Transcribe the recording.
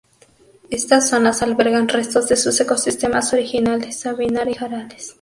Estas zonas albergan restos de sus ecosistemas originales: sabinar y jarales.